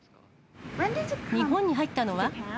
日本に入ったのは？